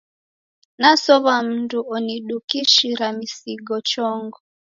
Nasow'a mndu onidukishira msigo chongo.